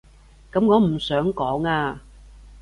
噉我唔想講啊